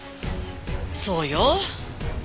そうよ。